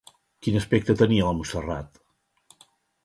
Quin aspecte tenia la Montserrat?